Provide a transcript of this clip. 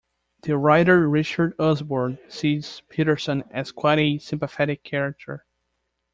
The writer Richard Usborne sees Peterson as quite a sympathetic character.